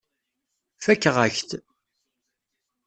Fakeɣ-ak-t.